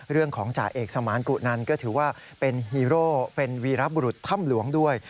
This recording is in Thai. จ่าเอกสมานกุนันก็ถือว่าเป็นฮีโร่เป็นวีรบุรุษถ้ำหลวงด้วย